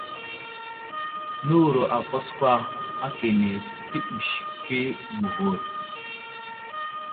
Nəwuro akwaskwa akane təɓəske məghur.